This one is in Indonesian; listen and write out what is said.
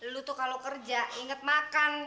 lu tuh kalau kerja inget makan